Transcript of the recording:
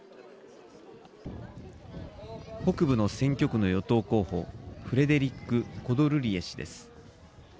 北部の選挙区の与党候補フレデリック・コドルリエ氏です。